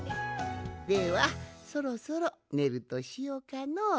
ではそろそろねるとしようかの。